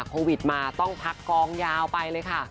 โควิดมาต้องพักกองยาวไปเลยค่ะ